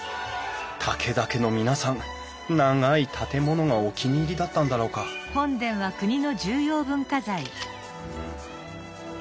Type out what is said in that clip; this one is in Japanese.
武田家の皆さん長い建物がお気に入りだったんだろうかうん。